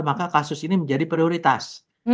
maka kasus ini menjadi prioritas